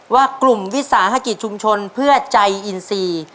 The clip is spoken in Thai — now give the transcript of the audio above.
ว่ากลุ่มวิสาหกิจชุมชนเพื่อใจอินซี